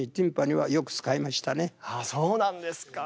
ああそうなんですか。